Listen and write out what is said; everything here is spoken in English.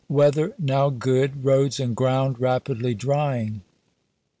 " Weather now good. Roads and gi^ound rapidly ''^rj."" drjdng."